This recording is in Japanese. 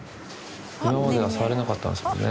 今までは触れなかったんですもんね。